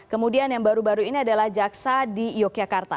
kemudian yang baru baru ini adalah jaksa di yogyakarta